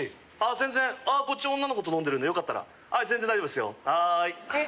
全然こっち女の子と飲んでるんでよかったらはい全然大丈夫ですよはいえっ？